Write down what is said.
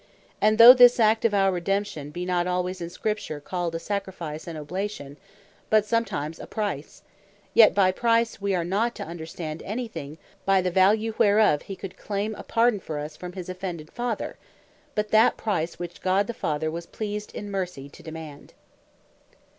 And though this act of our Redemption, be not alwaies in Scripture called a Sacrifice, and Oblation, but sometimes a Price, yet by Price we are not to understand any thing, by the value whereof, he could claim right to a pardon for us, from his offended Father, but that Price which God the Father was pleased in mercy to demand.